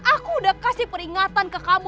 aku udah kasih peringatan ke kamu